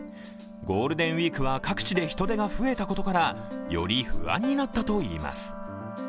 ゴールデンウイークは各地で人出が増えたことからより不安になったといいます。